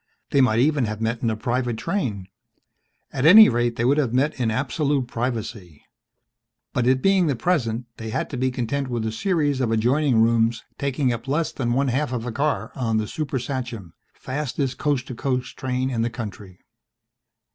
They might even have met in a private train. At any rate they would have met in absolute privacy. But it being the present, they had to be content with a series of adjoining rooms taking up less than one half of a car on the Super Sachem, fastest coast to coast train in the country.